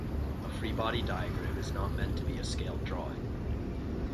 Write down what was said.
A free body diagram is not meant to be a scaled drawing.